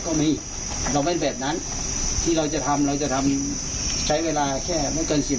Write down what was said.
ก็มีเราเป็นแบบนั้นที่เราจะทำเราจะทำใช้เวลาแค่ไม่เกินสิบ